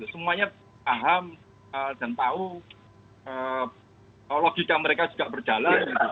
semuanya paham dan tahu logika mereka juga berjalan